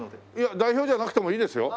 代表じゃなくてもいいですよ。